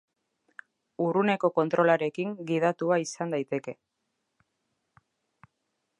Urruneko kontrolarekin gidatua izan daiteke.